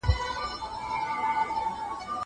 زه کولای سم سندري واورم.